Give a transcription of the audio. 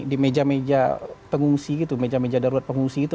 di meja meja pengungsi gitu